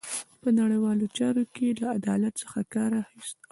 په نړیوالو چارو کې یې له عدالت څخه کار اخیست او عادلانه وو.